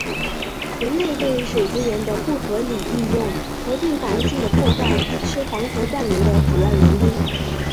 人类对水资源的不合理利用和对环境的破坏是黄河断流的主要原因。